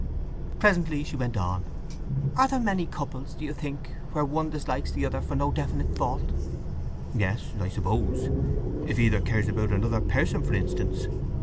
Presently she went on: "Are there many couples, do you think, where one dislikes the other for no definite fault?" "Yes, I suppose. If either cares for another person, for instance."